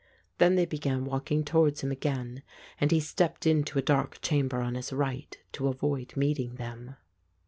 Then they began walking towards him again, and he stepped into a dark chamber on his right to avoid meeting them.